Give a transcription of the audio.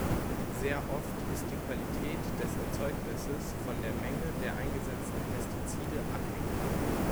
Sehr oft ist die Qualität des Erzeugnisses von der Menge der eingesetzten Pestizide abhängig.